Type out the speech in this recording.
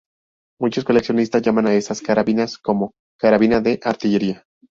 Muchos coleccionistas llaman a estas carabinas como ""carabina de artillería"".